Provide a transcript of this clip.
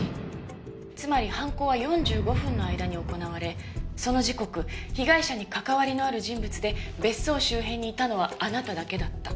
つまり犯行は４５分の間に行われその時刻被害者に関わりのある人物で別荘周辺にいたのはあなただけだった。